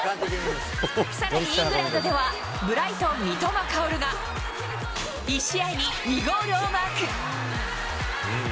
さらにイングランドでは、ブライトン、三笘薫が１試合に２ゴールをマーク。